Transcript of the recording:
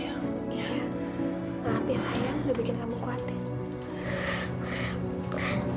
ya maaf ya sayang udah bikin kamu khawatir